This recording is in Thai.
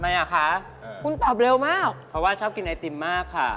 อ่ะคะคุณตอบเร็วมากเพราะว่าชอบกินไอติมมากค่ะ